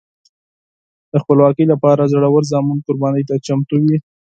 د خپلواکۍ لپاره زړور زامن قربانۍ ته چمتو وي.